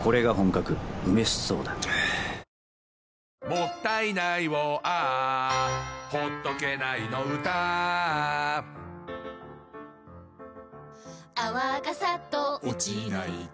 「もったいないをＡｈ」「ほっとけないの唄Ａｈ」「泡がサッと落ちないと」